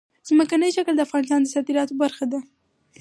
ځمکنی شکل د افغانستان د صادراتو برخه ده.